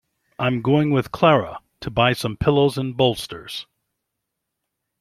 I'm going with Clara to buy some pillows and bolsters.